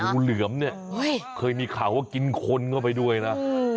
งูเหลือมเนี่ยเคยมีข่าวว่ากินคนเข้าไปด้วยนะ